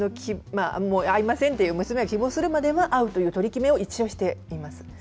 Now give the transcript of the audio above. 会いませんって娘が希望するまでは会うという取り決めを一応しています。